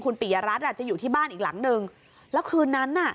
ปียรัฐอ่ะจะอยู่ที่บ้านอีกหลังนึงแล้วคืนนั้นน่ะ